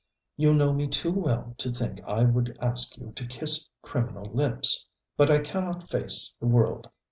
You know me too well to think I would ask you to kiss criminal lips. But I cannot face the world.